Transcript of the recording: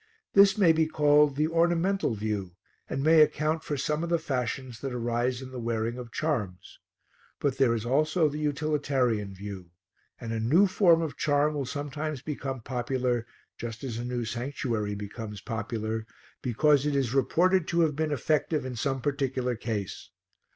This may be called the ornamental view and may account for some of the fashions that arise in the wearing of charms. But there is also the utilitarian view, and a new form of charm will sometimes become popular, just as a new sanctuary becomes popular, because it is reported to have been effective in some particular case.